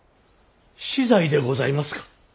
死罪でございますか。